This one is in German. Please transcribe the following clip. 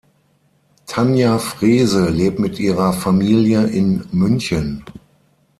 Tanja Frehse lebt mit ihrer Familie in München.